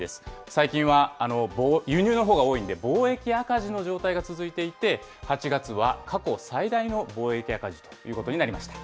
最近は輸入のほうが多いんで貿易赤字の状態が続いていて、８月は過去最大の貿易赤字ということになりました。